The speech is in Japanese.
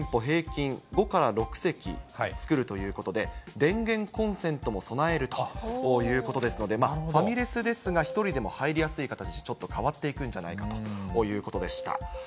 これ１つの店舗、平均５から６席作るということで、電源コンセントも備えるということですので、ファミレスですが、１人でも入りやすい形にちょっと変わっていくんじゃないかということでした。